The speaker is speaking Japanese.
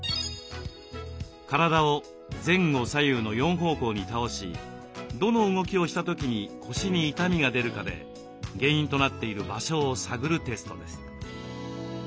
体を前後左右の４方向に倒しどの動きをした時に腰に痛みが出るかで原因となっている場所を探るテストです。